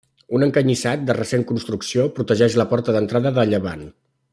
Un encanyissat de recent construcció protegeix la porta d'entrada de llevant.